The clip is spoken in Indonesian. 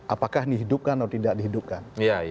apakah dihidupkan atau tidak dihidupkan